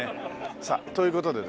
さあという事でですね